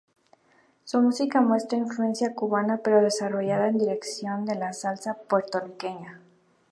Su música muestra influencia cubana pero desarrollada en dirección de la Salsa puertorriqueña.